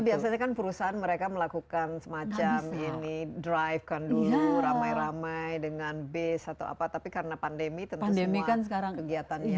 biasanya kan perusahaan mereka melakukan semacam ini drive kan dulu ramai ramai dengan base atau apa tapi karena pandemi tentu semua kegiatannya